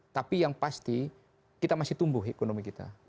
tapi yang pasti kita masih tumbuh ekonomi kita